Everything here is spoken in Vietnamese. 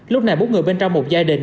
lúc này bốn người bên trong một gia đình